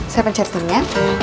saya pencet turnya